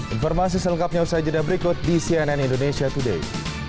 informasi selengkapnya usai jeda berikut di cnn indonesia today